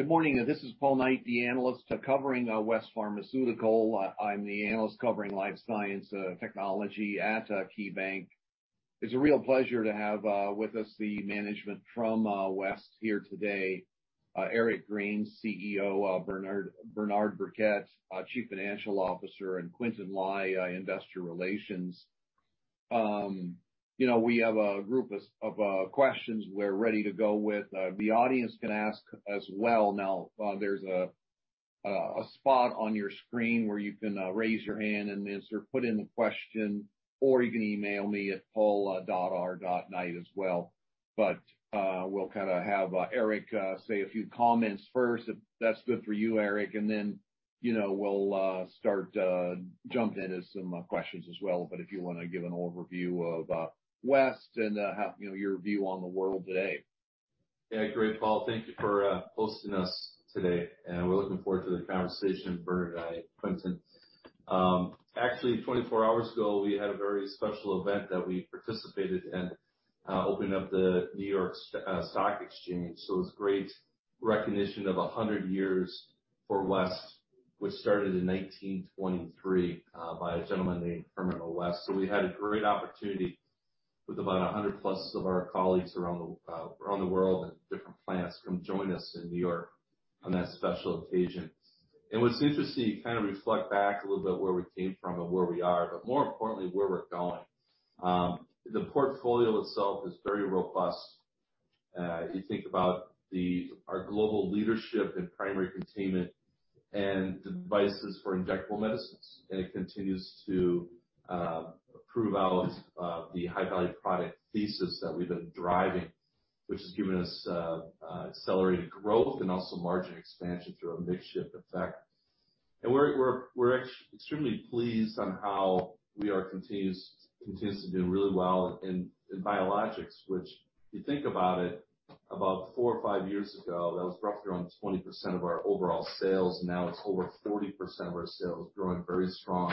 Good morning. This is Paul Knight, the analyst covering West Pharmaceutical. I'm the Analyst covering Life Science Technology at KeyBanc. It's a real pleasure to have with us the management from West here today. Eric Green, CEO, Bernard Birkett, Chief Financial Officer, and Quintin Lai, Investor Relations. You know, we have a group of questions we're ready to go with. The audience can ask as well. Now, there's a spot on your screen where you can raise your hand, put in a question or you can email me at paul.r.knight as well. We'll kinda have Eric say a few comments first, if that's good for you, Eric, and then, you know, we'll start jump into some questions as well. If you want to give an overview of West and how, you know, your view on the world today. Great, Paul. Thank you for hosting us today. We're looking forward to the conversation with Bernard and Quintin. Actually, 24 hours ago, we had a very special event that we participated in opening up the New York Stock Exchange. It's great recognition of 100 years for West, which started in 1923 by a gentleman named Herman O. West. We had a great opportunity with about 100+of our colleagues around the world and different plants come join us in New York on that special occasion. It was interesting to kind of reflect back a little bit where we came from and where we are, but more importantly, where we're going. The portfolio itself is very robust. You think about our global leadership in primary containment and devices for injectable medicines. It continues to prove out the High-Value Product thesis that we've been driving, which has given us accelerated growth and also margin expansion through a mix shift effect. We're extremely pleased on how we are continues to do really well in biologics, which you think about it, about four or five years ago, that was roughly around 20% of our overall sales. Now it's over 40% of our sales, growing very strong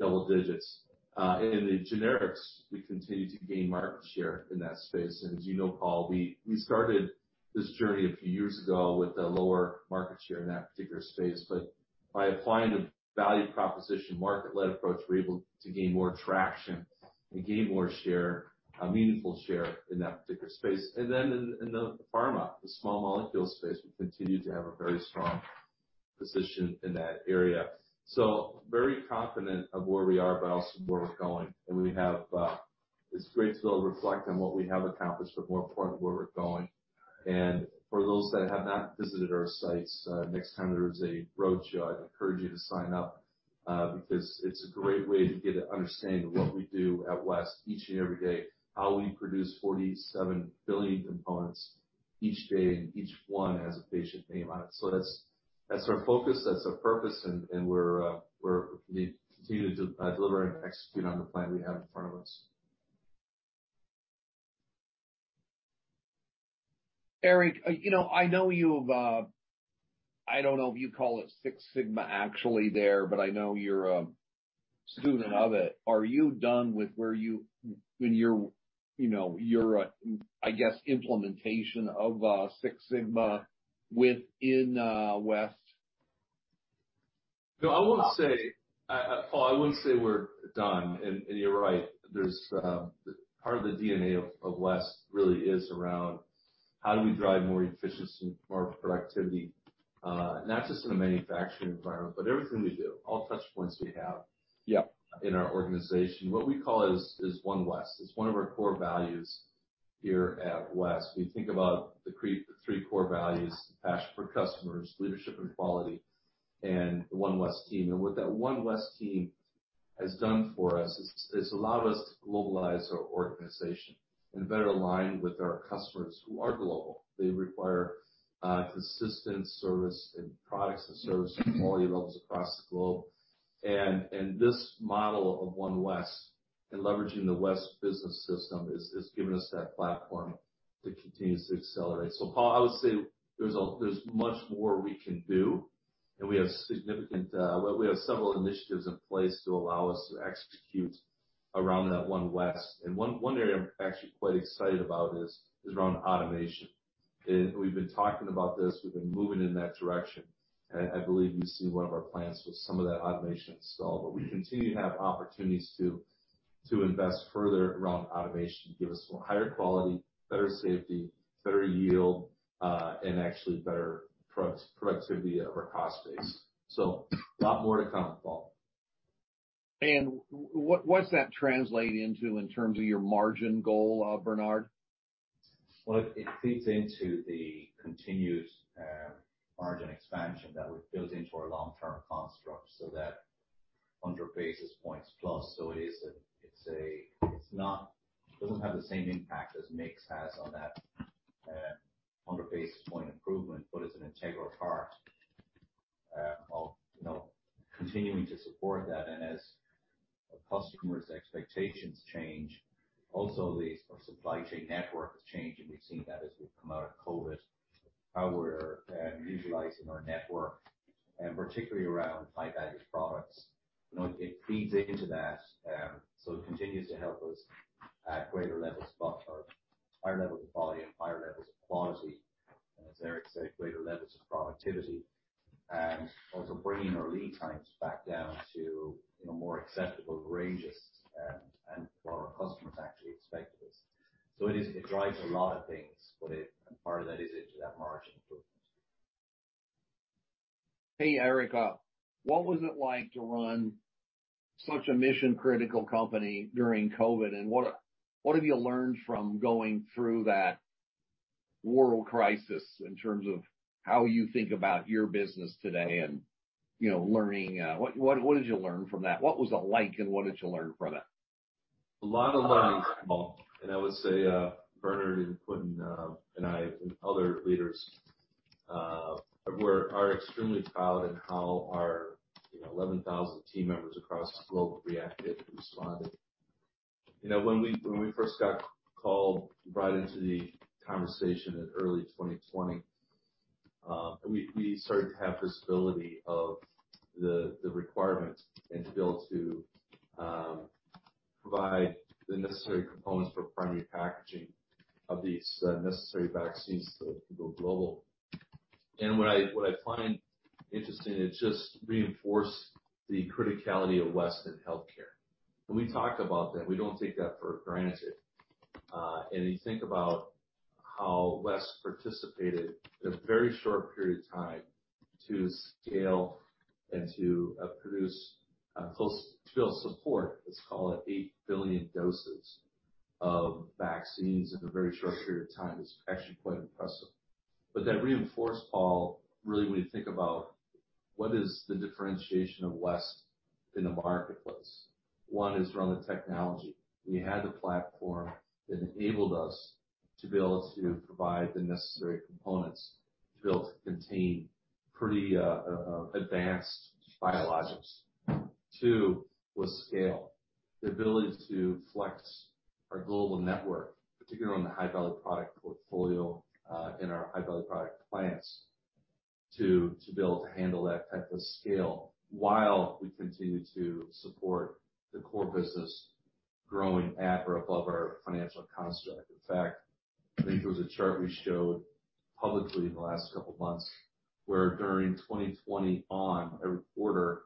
double-digits. In the generics, we continue to gain market share in that space. As you know, Paul, we started this journey a few years ago with a lower market share in that particular space. By applying the value proposition market-led approach, we're able to gain more traction and gain more share, a meaningful share in that particular space. In the pharma, the small molecule space, we continue to have a very strong position in that area. Very confident of where we are, but also where we're going. We have, it's great to be able to reflect on what we have accomplished, but more importantly, where we're going. For those that have not visited our sites, next time there is a roadshow, I'd encourage you to sign up, because it's a great way to get an understanding of what we do at West each and every day. How we produce 47 billion components each day, and each one has a patient name on it. That's, that's our focus, that's our purpose, and we're continuing to deliver and execute on the plan we have in front of us. Eric, you know, I know you've, I don't know if you call it Six Sigma actually there, but I know you're a student of it. Are you done with where in your, you know, your, I guess, implementation of Six Sigma within West? No, I wouldn't say Paul, I wouldn't say we're done. And you're right. There's part of the DNA of West really is around how do we drive more efficiency, more productivity, not just in a manufacturing environment, but everything we do, all touch points we have- Yeah. in our organization. What we call is One West. It's one of our core values here at West. We think about three core values: passion for customers, leadership and quality, and One West team. What that One West team has done for us is allow us to globalize our organization and better align with our customers who are global. They require consistent service and products and service at quality levels across the globe. This model of One West and leveraging the West Business System has given us that platform to continue to accelerate. Paul, I would say there's much more we can do, and we have significant, well, we have several initiatives in place to allow us to execute around that One West. One area I'm actually quite excited about is around automation. We've been talking about this, we've been moving in that direction. I believe you've seen one of our plants with some of that automation installed. We continue to have opportunities to invest further around automation, give us higher quality, better safety, better yield, and actually better productivity of our cost base. A lot more to come, Paul. What's that translate into in terms of your margin goal, Bernard? Well, it feeds into the continued margin expansion that we've built into our long-term construct, so that under basis points plus. It's not doesn't have the same impact as mix has on that under basis point improvement, but it's an integral part of, you know, continuing to support that. As our customers' expectations change, also the, our supply chain network is changing. We've seen that as we've come out of COVID, how we're Utilizing our network, and particularly around High-Value Products. You know, it feeds into that, so it continues to help us at higher levels of quality and higher levels of quantity, as Eric said, greater levels of productivity, and also bringing our lead times back down to, you know, more acceptable ranges, and where our customers actually expect it is. It is, it drives a lot of things, and part of that is into that margin improvement. Hey, Eric, what was it like to run such a mission-critical company during COVID? What have you learned from going through that world crisis in terms of how you think about your business today and, you know, learning, what did you learn from that? What was it like, and what did you learn from that? A lot of learnings, Paul. I would say Bernard and Quintin and I and other leaders are extremely proud in how our, you know, 11,000 team members across the globe reacted and responded. You know, when we first got called, brought into the conversation in early 2020, we started to have visibility of the requirement and to be able to provide the necessary components for primary packaging of these necessary vaccines to go global. What I find interesting, it just reinforced the criticality of West in healthcare. We talk about that. We don't take that for granted. You think about how West participated in a very short period of time to scale and to produce close to full support, let's call it 8 billion doses of vaccines in a very short period of time. It's actually quite impressive. That reinforced, Paul, really when you think about what is the differentiation of West in the marketplace. One is around the technology. We had the platform that enabled us to be able to provide the necessary components to be able to contain pretty advanced biologics. Two was scale, the ability to flex our global network, particularly on the High-Value Product portfolio in our High-Value Product plants, to be able to handle that type of scale while we continue to support the core business growing at or above our financial construct. In fact, I think there was a chart we showed publicly in the last couple of months where during 2020 on every quarter,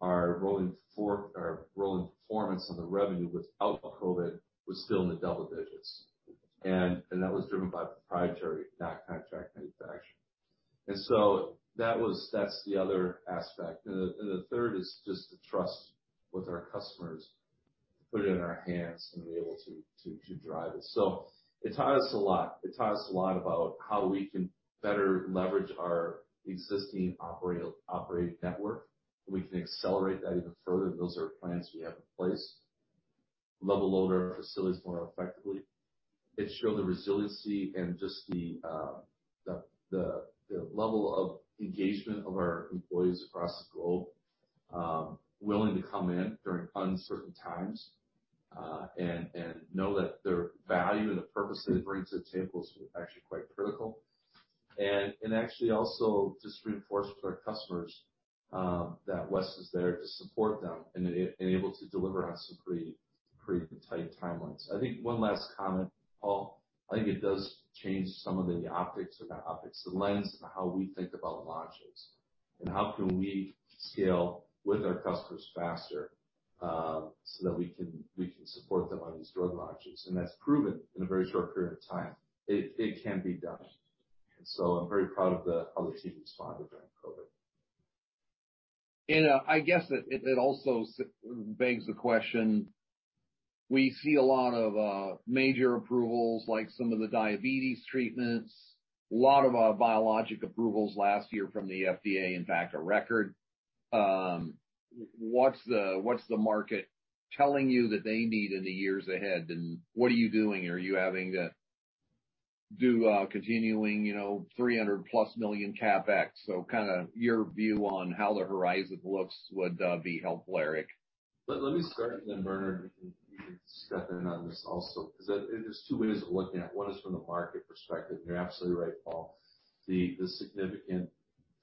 our rolling performance on the revenue without the COVID was still in the double digits. That was driven by proprietary, not contract manufacturing. That's the other aspect. The third is just the trust with our customers to put it in our hands and be able to drive it. It taught us a lot. It taught us a lot about how we can better leverage our existing operating network. We can accelerate that even further, and those are plans we have in place. Level load our facilities more effectively. It showed the resiliency and just the level of engagement of our employees across the globe, willing to come in during uncertain times, and know that their value and the purpose that it brings to the table is actually quite critical. Actually also just reinforced with our customers, that West is there to support them and able to deliver on some pretty tight timelines. I think one last comment, Paul, I think it does change some of the optics or not optics, the lens and how we think about launches and how can we scale with our customers faster, so that we can support them on these drug launches. That's proven in a very short period of time. It can be done. I'm very proud of how the team responded during COVID. I guess it also begs the question, we see a lot of major approvals like some of the diabetes treatments, a lot of biologic approvals last year from the FDA, in fact, a record. What's the market telling you that they need in the years ahead, and what are you doing? Are you having to do continuing, you know, $300+ million CapEx? Kind of your view on how the horizon looks would be helpful, Eric. Let me start, Bernard, you can step in on this also, 'cause there's two ways of looking at it. One is from the market perspective. You're absolutely right, Paul. The significant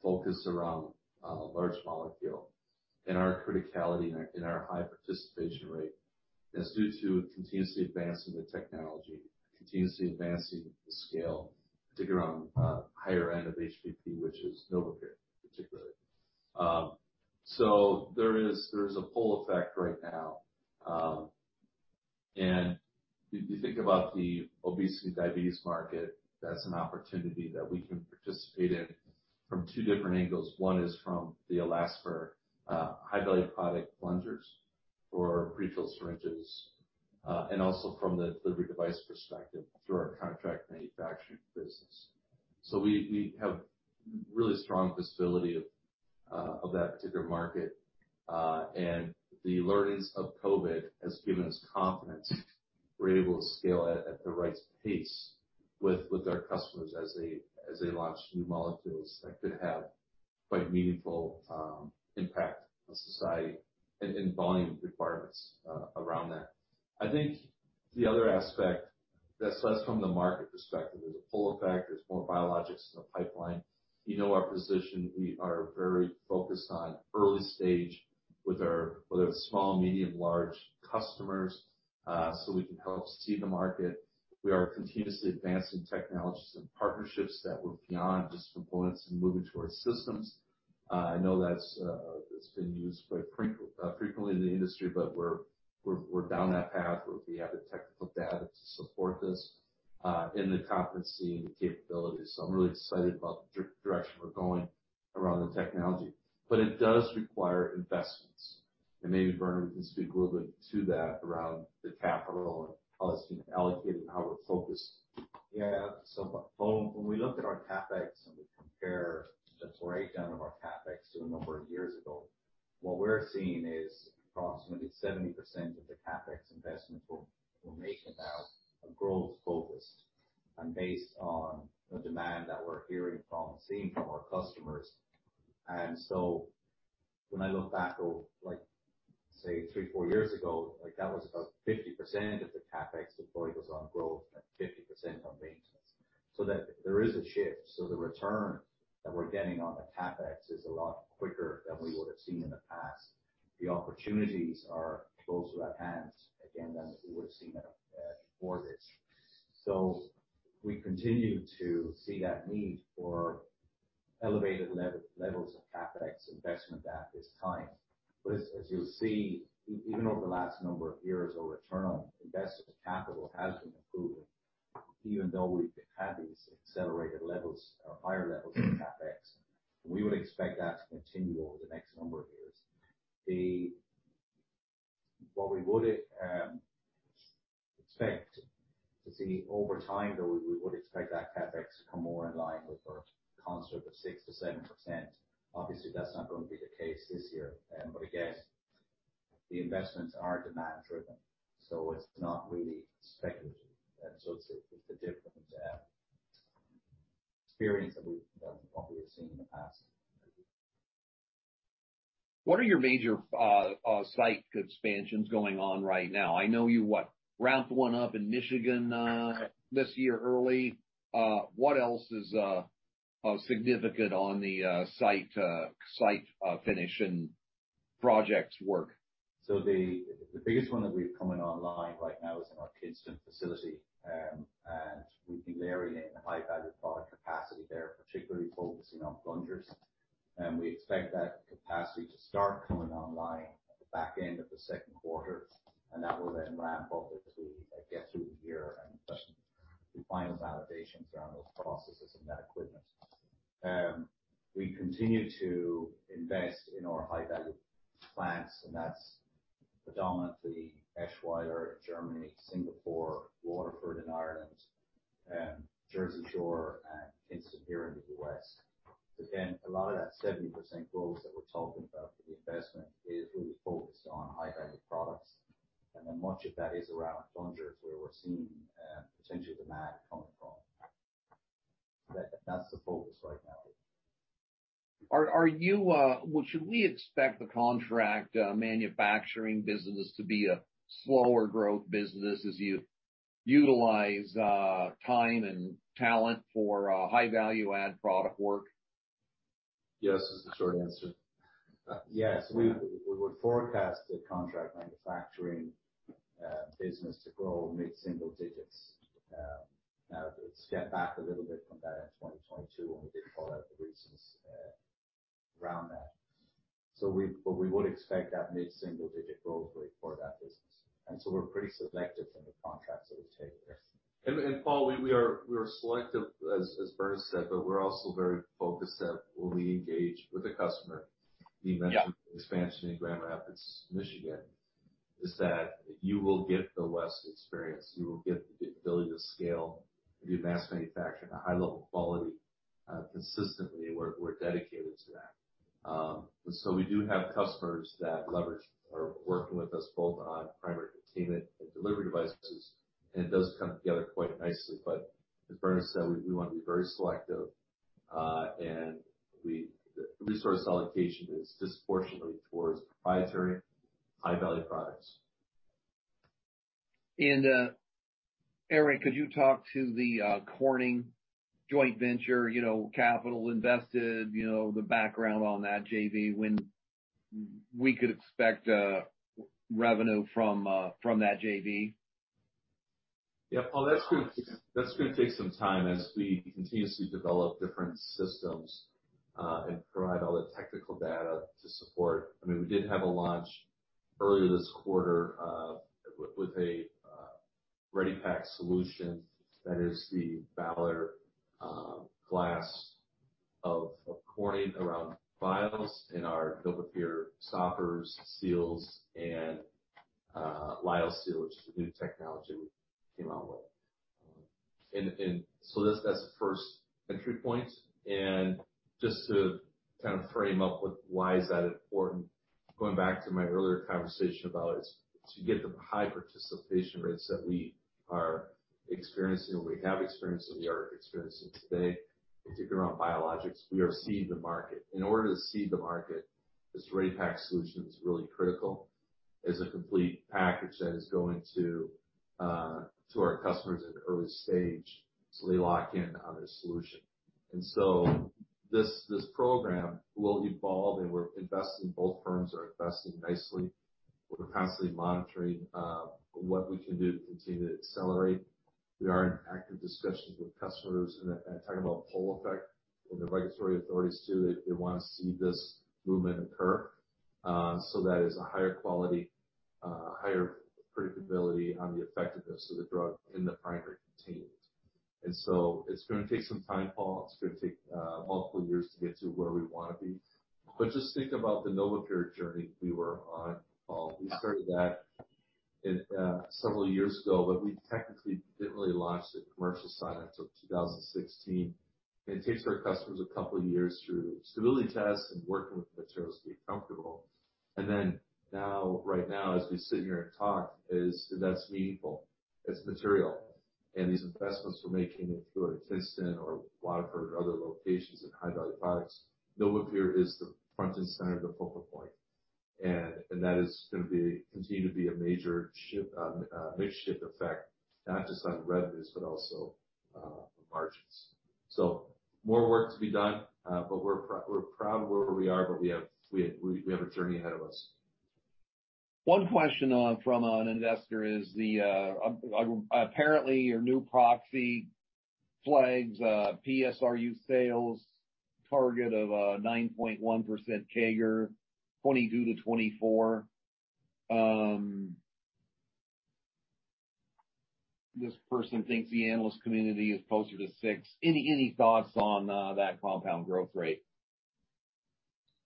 focus around large molecule and our criticality and our high participation rate is due to continuously advancing the technology, continuously advancing the scale, particularly around higher end of HVP, which is NovaPure particularly. There is a pull effect right now. If you think about the obesity and diabetes market, that's an opportunity that we can participate in from two different angles. One is from the elastomer High-Value Product plungers for prefilled syringes and also from the delivery device perspective through our Contract Manufacturing business. We have really strong visibility of that particular market. The learnings of COVID has given us confidence we're able to scale it at the right pace with our customers as they launch new molecules that could have Quite meaningful impact on society and volume requirements around that. I think the other aspect that's less from the market perspective is the pull effect. There's more biologics in the pipeline. You know our position. We are very focused on early stage with our whether it's small, medium, large customers, so we can help seed the market. We are continuously advancing technologies and partnerships that look beyond just components and moving towards systems. I know that's been used quite frequently in the industry, but we're down that path where we have the technical data to support this and the competency and the capabilities. I'm really excited about the direction we're going around the technology. It does require investments. Maybe Bernard can speak a little bit to that around the capital and how it's being allocated and how we're focused. Paul, when we look at our CapEx and we compare the breakdown of our CapEx to a number of years ago, what we're seeing is approximately 70% of the CapEx investments we're making now are growth focused and based on the demand that we're hearing from and seeing from our customers. When I look back over, like, say, three, four years ago, like, that was about 50% of the CapEx deploy was on growth and 50% on maintenance. That there is a shift. The return that we're getting on the CapEx is a lot quicker than we would have seen in the past. The opportunities are closer at hand again than we would have seen before this. We continue to see that need for elevated levels of CapEx investment at this time. As you'll see, even over the last number of years, our return on invested capital has been improving, even though we've had these accelerated levels or higher levels of CapEx. We would expect that to continue over the next number of years. What we would expect to see over time, though, we would expect that CapEx to come more in line with our construct of 6%-7%. Obviously, that's not going to be the case this year. Again, the investments are demand driven, so it's not really speculative. It's a, it's a different experience than what we've seen in the past. What are your major site expansions going on right now? I know you, what, ramped one up in Michigan this year early. What else is significant on the site finish and projects work? The biggest one that we've coming online right now is in our Kingston facility. We've been layering in the High-Value Product capacity there, particularly focusing on plungers. We expect that capacity to start coming online at the back end of the second quarter, and that will then ramp up as we, like, get through the year and do final validations around those processes and that equipment. We continue to invest in our high-value plants, and that's predominantly Eschweiler, Germany, Singapore, Waterford in Ireland, Jersey Shore and Kingston here in the U.S. Again, a lot of that 70% growth that we're talking about for the investment is really focused on High-Value Products. Much of that is around plungers where we're seeing potential demand coming from. That's the focus right now. Are you well, should we expect the contract manufacturing business to be a slower growth business as you utilize time and talent for high value add product work? Yes is the short answer. Yes. We would forecast the contract manufacturing business to grow mid-single-digits. Now it's set back a little bit from that in 2022 when we did call out the reasons around that. We would expect that mid-single digit growth rate for that business. We're pretty selective in the contracts that we take. Paul, we are selective, as Bernard said, but we're also very focused that when we engage with a customer, you mentioned. Yeah. The expansion in Grand Rapids, Michigan, is that you will get the West experience, you will get the ability to scale and do mass manufacturing at a high level of quality, consistently. We're dedicated to that. We do have customers that leverage or are working with us both on primary containment and delivery devices, and it does come together quite nicely. As Bernard said, we wanna be very selective, and the resource allocation is disproportionately towards proprietary High-Value Products. Eric, could you talk to the Corning joint venture, you know, capital invested, you know, the background on that JV, when we could expect revenue from that JV? Yeah, Paul, that's gonna take some time as we continuously develop different systems and provide all the technical data to support. I mean, we did have a launch earlier this quarter with a Ready Pack solution that is the Valor glass of Corning around vials and our D Sigma stoppers, seals, and LyoSeal, which is the new technology we came out with. That's the first entry point. Just to kind of frame up with why is that important. Going back to my earlier conversation about is to get the high participation rates that we are experiencing or we have experienced or we are experiencing today, particularly around biologics, we are seeding the market. In order to seed the market, this Ready Pack solution is really critical as a complete package that is going to to our customers at an early stage, so they lock in on a solution. This program will evolve, and we're investing. Both firms are investing nicely. We're constantly monitoring what we can do to continue to accelerate. We are in active discussions with customers and talking about pull effect and the regulatory authorities too. They wanna see this movement occur, so that is a higher quality, a higher predictability on the effectiveness of the drug in the primary containers. It's gonna take some time, Paul. It's gonna take multiple years to get to where we wanna be. Just think about the NovaPure journey we were on, Paul. We started that in several years ago, but we technically didn't really launch the commercial side until 2016. It takes our customers a couple of years through stability tests and working with materials to get comfortable. Then now, right now, as we sit here and talk is that's meaningful, it's material. These investments we're making in Thisted or Waterford or other locations in High-Value Products, NovaPure is the front and center, the focal point. That is continue to be a major ship effect, not just on revenues but also margins. More work to be done, but we're proud of where we are, but we have a journey ahead of us. One question from an investor is the apparently your new proxy flags PSU sales target of 9.1% CAGR, 2022-2024. This person thinks the analyst community is closer to 6%. Any thoughts on that compound growth rate?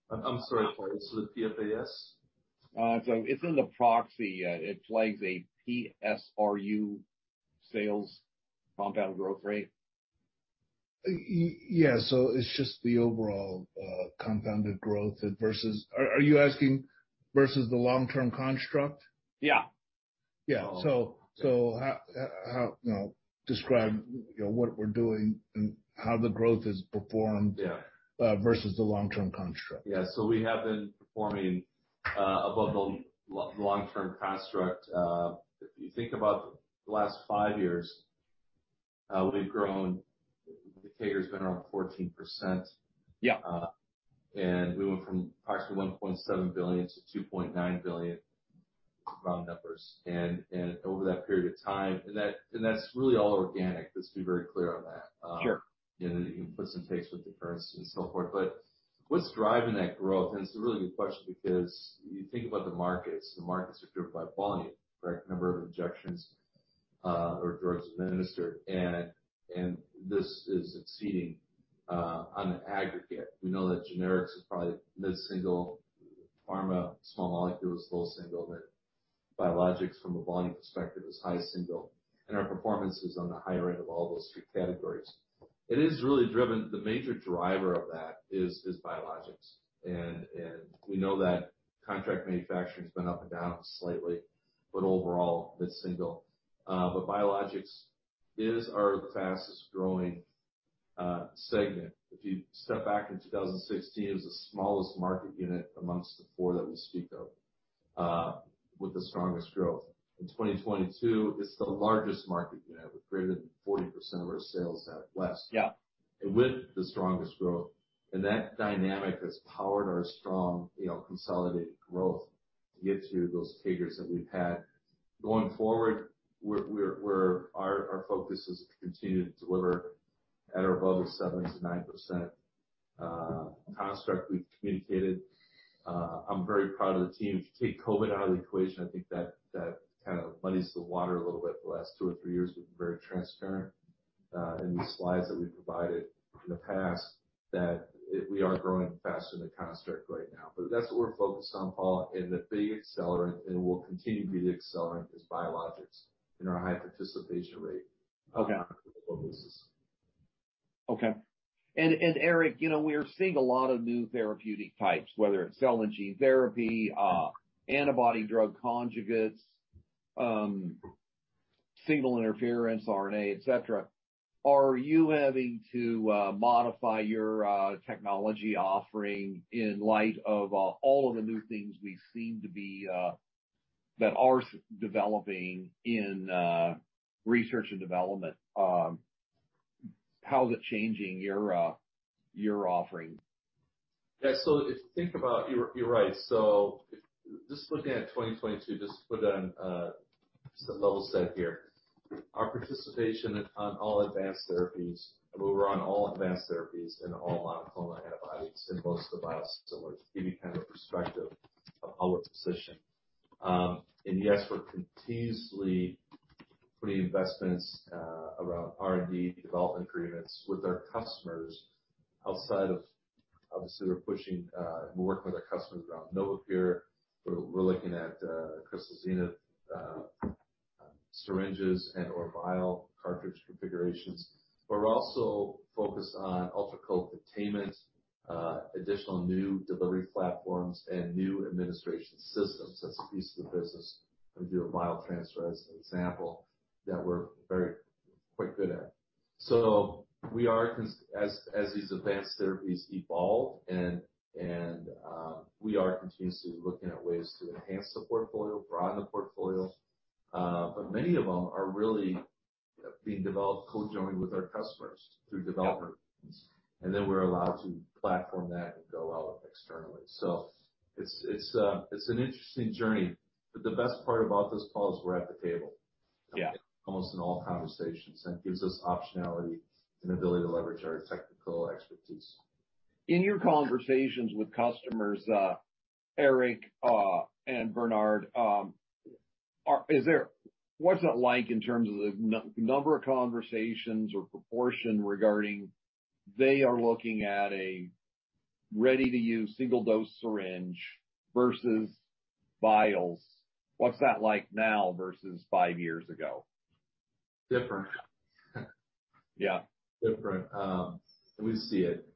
I'm sorry, Paul. Is it PFAS? It's in the proxy. It flags a PSU sales compound growth rate. Yeah, it's just the overall compounded growth versus. Are you asking versus the long-term construct? Yeah. Yeah. So, how, you know, describe, you know, what we're doing and how the growth is? Yeah. versus the long-term construct. Yeah. We have been performing above the long-term construct. If you think about the last five years, we've grown, the CAGR's been around 14%. Yeah. We went from approximately $1.7 billion-$2.9 billion round numbers. Over that period of time... That's really all organic. Let's be very clear on that. Sure. You know, you can put some pace with the currents and so forth. What's driving that growth, and it's a really good question because you think about the markets, the markets are driven by volume, correct? Number of injections, or drugs administered. And this is exceeding, on an aggregate. We know that generics is probably mid-single %, pharma, small molecules, low single %. Biologics from a volume perspective is high single %, and our performance is on the higher end of all those three categories. The major driver of that is biologics. And we know that contract manufacturing has been up and down slightly, but overall mid-single %. Biologics is our fastest-growing segment. If you step back in 2016, it was the smallest market unit amongst the four that we speak of, with the strongest growth. In 2022, it's the largest market unit with greater than 40% of our sales at West. Yeah. With the strongest growth. That dynamic has powered our strong, you know, consolidated growth to get to those CAGRs that we've had. Going forward, our focus is to continue to deliver at or above the 7%-9% construct we've communicated. I'm very proud of the team. If you take COVID out of the equation, I think that kind of muddies the water a little bit the last two or three years. We've been very transparent in the slides that we provided in the past that we are growing faster than construct right now. That's what we're focused on, Paul, and the big accelerant, and will continue to be the accelerant is biologics and our high participation rate. Okay. Eric, you know, we are seeing a lot of new therapeutic types, whether it's cell and gene therapy, antibody-drug conjugates, signal interference, RNA, et cetera. Are you having to modify your technology offering in light of all of the new things we seem to be developing in research and development? How is it changing your offering? Yeah. You're right. Just looking at 2022, just to put it on, just a level set here. Our participation on all advanced therapies, we were on all advanced therapies and all monoclonal antibodies in most of the biosimilars, to give you kind of perspective of our position. Yes, we're continuously putting investments around R&D development agreements with our customers outside of, obviously, we're pushing, we're working with our customers around NovaPure. We're looking at Crystal Zenith syringes and/or vial cartridge configurations. We're also focused on ultra-cold containment, additional new delivery platforms, and new administration systems. That's a piece of the business we do with Biotransfer, as an example, that we're quite good at. we are as these advanced therapies evolve and we are continuously looking at ways to enhance the portfolio, broaden the portfolio. many of them are really being developed conjointly with our customers through development. we're allowed to platform that and go out externally. it's an interesting journey, but the best part about this, Paul, is we're at the table- Yeah. almost in all conversations, and it gives us optionality and ability to leverage our technical expertise. In your conversations with customers, Eric and Bernard, what's it like in terms of the number of conversations or proportion regarding they are looking at a ready-to-use single-dose syringe versus vials? What's that like now versus 5 years ago? Different. Yeah. Different. We see it.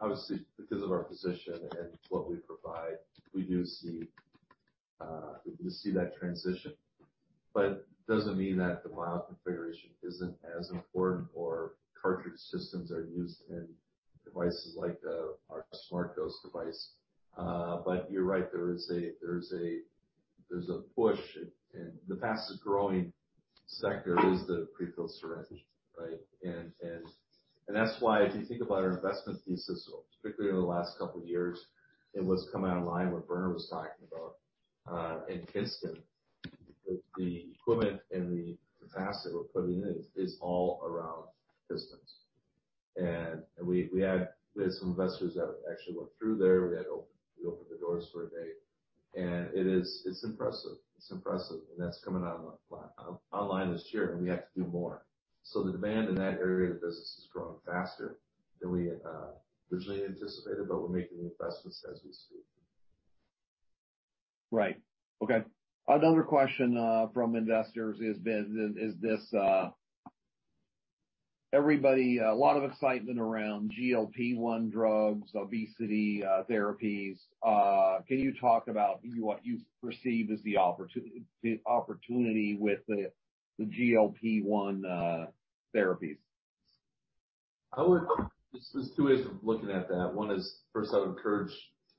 Obviously, because of our position and what we provide, we do see, we see that transition. It doesn't mean that the vial configuration isn't as important or cartridge systems are used in devices like, our SmartDose device. You're right, there is a, there is a, there's a push, and the fastest growing sector is the prefilled syringe, right? That's why if you think about our investment thesis, particularly over the last couple of years, and what's coming online, what Bernard was talking about, in Kingston. The equipment and the capacity we're putting in is all around pistons. We had some investors that actually went through there. We opened the doors for a day. It is, it's impressive. It's impressive. That's coming out online this year, and we have to do more. The demand in that area of the business is growing faster than we originally anticipated, but we're making the investments as we speak. Right. Okay. Another question from investors is this, everybody, a lot of excitement around GLP-1 drugs, obesity, therapies. Can you talk about what you perceive as the opportunity with the GLP-1 therapies? There's two ways of looking at that. One is, first, I would encourage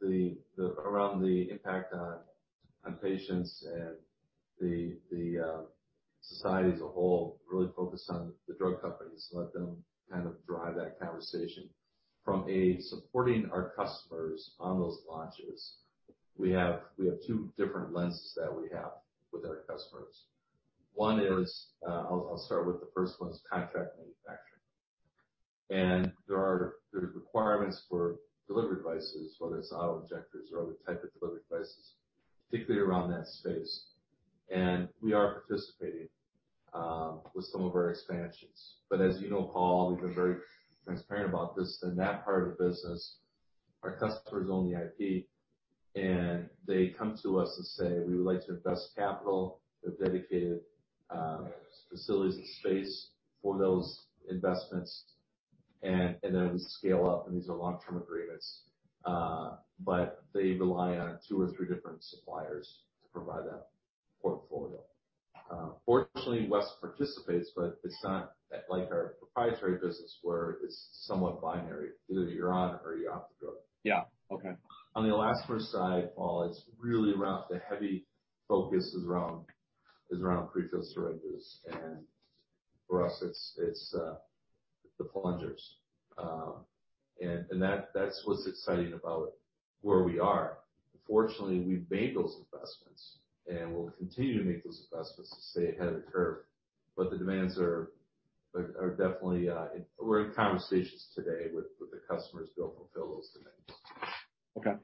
the around the impact on patients and the society as a whole, really focus on the drug companies, let them kind of drive that conversation. From a supporting our customers on those launches, we have two different lenses that we have with our customers. One is, I'll start with the first one, is contract manufacturing. There's requirements for delivery devices, whether it's auto-injectors or other type of delivery devices, particularly around that space. We are participating with some of our expansions. As you know, Paul, we've been very transparent about this. In that part of the business, our customers own the IP, and they come to us and say, we would like to invest capital with dedicated facilities and space for those investments and then we scale up, and these are long-term agreements. They rely on two or three different suppliers to provide that portfolio. Fortunately, West participates, but it's not like our proprietary business where it's somewhat binary. Either you're on or you're off the drug. Yeah. Okay. On the elastomer side, Paul, it's really around the heavy focus is around prefilled syringes. For us, it's the plungers. That's what's exciting about where we are. Fortunately, we've made those investments, and we'll continue to make those investments to stay ahead of the curve, but the demands are definitely, we're in conversations today with the customers to help fulfill those demands.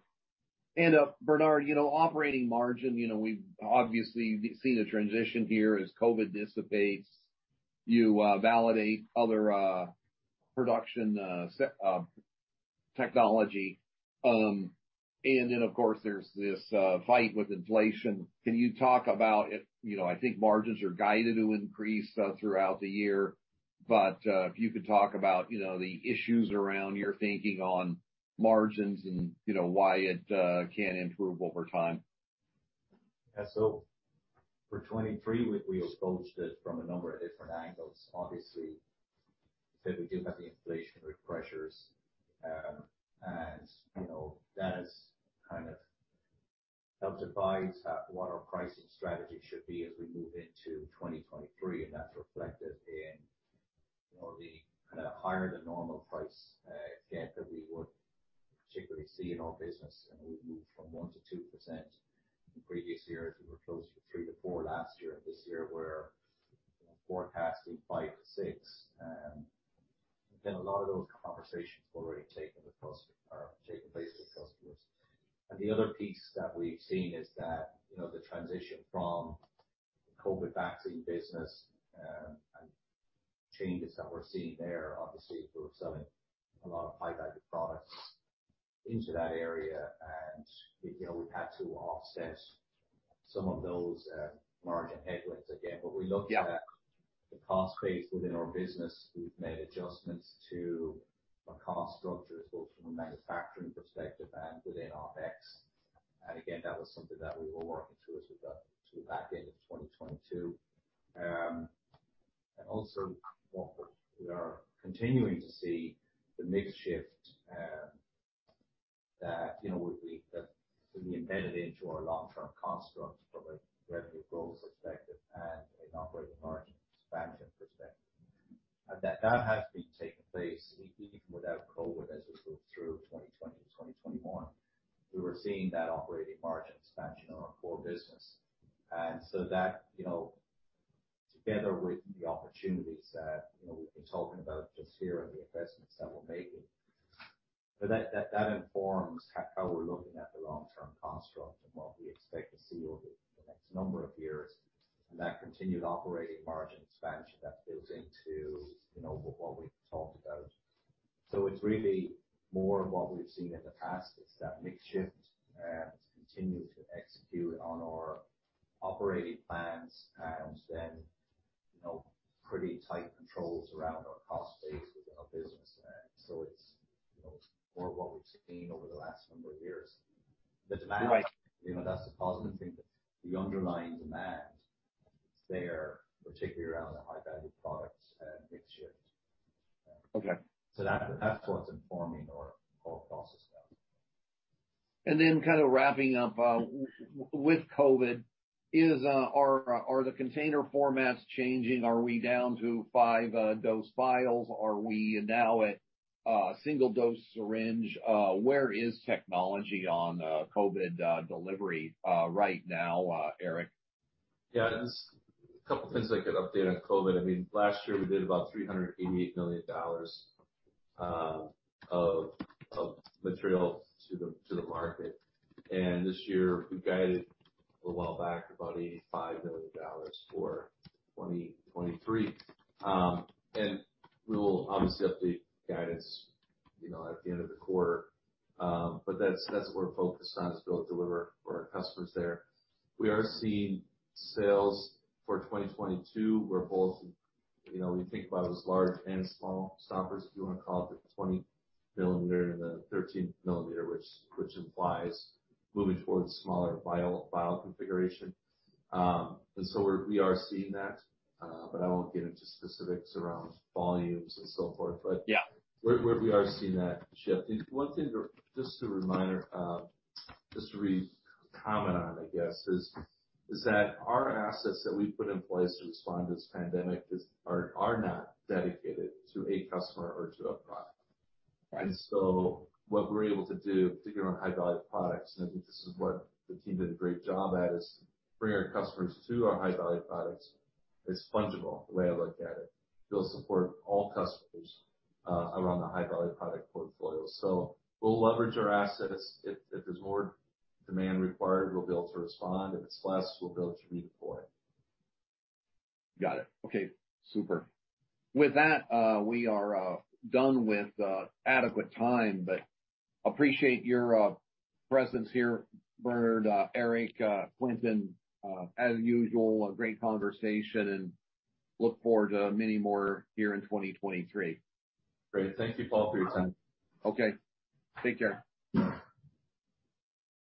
Okay. Bernard, you know, operating margin, you know, we've obviously seen a transition here as COVID dissipates. You validate other production technology. Of course, there's this fight with inflation. Can you talk about, you know, I think margins are guided to increase throughout the year. If you could talk about, you know, the issues around your thinking on margins and, you know, why it can improve over time. Yeah. For 2023, we approached it from a number of different angles. Obviously, said we do have the inflationary pressures, and, you know, that has kind of helped advise what our pricing strategy should be as we move into 2023. That's reflected in, you know, the kind of higher-than-normal price, again, that we would particularly see in our business. We've moved from 1%-2% in previous years. We were closer to 3%-4% last year. This year we're forecasting 5%-6%. Again, a lot of those conversations are taking place with customers. The other piece that we've seen is that, you know, the transition from COVID vaccine business, and changes that we're seeing there, obviously, we're selling a lot of High-Value Products into that area. you know, we've had to offset some of those, margin headwinds again. Yeah. We looked at the cost base within our business. We've made adjustments to our cost structures, both from a manufacturing perspective and within OpEx. Again, that was something that we were working through as we got to the back end of 2022. Also what we are continuing to see the mix shift, that, you know, we that can be embedded into our long-term construct from a revenue growth perspective and an operating margin expansion perspective. That has been taking place even without COVID as we moved through 2020-2021. We were seeing that operating margin expansion on our core business. That, you know, together with the opportunities that, you know, we've been talking about just here and the investments that we're making. That informs how we're looking at the long-term construct and what we expect to see over the next number of years. That continued operating margin expansion that builds into, you know, what we've talked about. It's really more of what we've seen in the past. It's that mix shift to continue to execute on our operating plans and then, you know, pretty tight controls around our cost base within our business. It's, you know, more of what we've seen over the last number of years. The demand Right. You know, that's the positive thing. The underlying demand is there, particularly around the High-Value Products and mix shift. Okay. That's what's informing our whole process now. Kind of wrapping up, with COVID, is, are the container formats changing? Are we down to five dose vials? Are we now at single-dose syringe? Where is technology on COVID delivery right now, Eric? Yeah. Just a couple things I could update on COVID. I mean, last year we did about $388 million of material to the market. This year we've guided a little while back about $85 million for 2023. We will obviously update guidance, you know, at the end of the quarter. That's what we're focused on is be able to deliver for our customers there. We are seeing sales for 2022 where both, you know, we think about it as large and small stoppers, if you wanna call it the 20 mm and the 13 mm, which implies moving towards smaller vial configuration. We are seeing that, but I won't get into specifics around volumes and so forth. Yeah. We are seeing that shift. One thing just a reminder, just to re-comment on, I guess, is that our assets that we've put in place to respond to this pandemic are not dedicated to a customer or to a product. What we're able to do, particularly on High-Value Products, and I think this is what the team did a great job at, is bring our customers to our High-Value Products. It's fungible, the way I look at it. We'll support all customers around the High-Value Product portfolio. We'll leverage our assets. If there's more demand required, we'll be able to respond. If it's less, we'll be able to redeploy. Got it. Okay, super. With that, we are done with adequate time. Appreciate your presence here, Bernard, Eric, Quintin. As usual, a great conversation and look forward to many more here in 2023. Great. Thank you, Paul, for your time. Okay. Take care. Yeah.